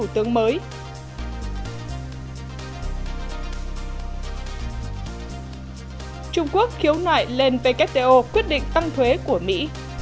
trung quốc khiếu nại lên wto quyết định tăng thuế của mỹ